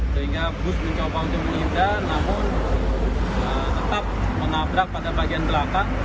sehingga bus mencoba untuk mengindah namun tetap menabrak pada bagian belakang